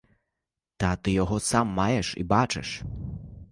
Та ти його сам маєш і бачиш.